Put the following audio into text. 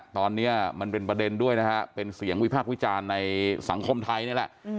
ตอนนี้มันเป็นประเด็นด้วยนะฮะเป็นเสียงวิพากษ์วิจารณ์ในสังคมไทยนี่แหละ